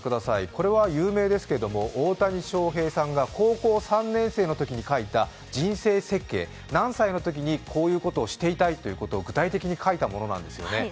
これは有名ですけれども、大谷翔平さんが高校３年生のときに書いた人生設計、何歳のときにこういうことをしていたいと具体的に書いたものなんですね。